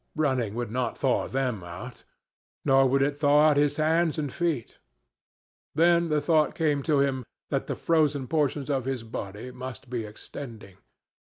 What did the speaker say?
Running would not thaw them out. Nor would it thaw out his hands and feet. Then the thought came to him that the frozen portions of his body must be extending.